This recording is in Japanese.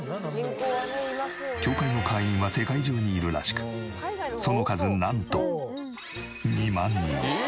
協会の会員は世界中にいるらしくその数なんと２万人。